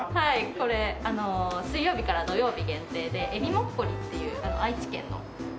これ水曜日から土曜日限定で「海老もっこり」っていう愛知県の卵を使ってまして。